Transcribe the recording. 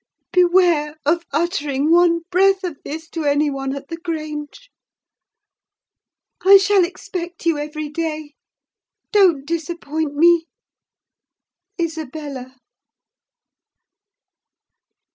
Beware of uttering one breath of this to any one at the Grange. I shall expect you every day—don't disappoint me!—ISABELLA.